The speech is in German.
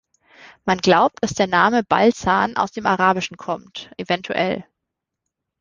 Man glaubt, dass der Name Balzan aus dem Arabischen kommt, evtl.